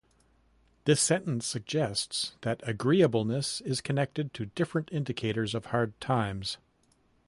This sentence suggests that agreeableness is connected to different indicators of hard times.